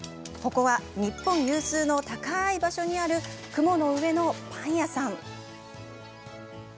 ここは、日本有数の高い場所にある雲の上のパン屋さん。